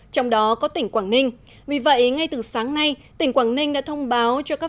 trong đó có tỉnh quảng ninh vì vậy ngay từ sáng nay tỉnh quảng ninh đã thông báo cho các